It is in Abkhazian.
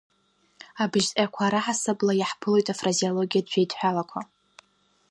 Абыжьҭҟьақәа раҳасабала иаҳԥылоит афразеологиатә жәеидҳәалақәа…